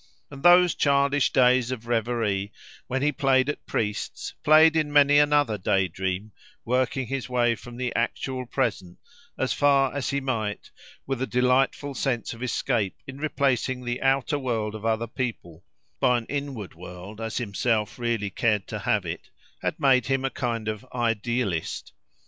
And those childish days of reverie, when he played at priests, played in many another day dream, working his way from the actual present, as far as he might, with a delightful sense of escape in replacing the outer world of other people by an inward world as himself really cared to have it, had made him a kind of "idealist."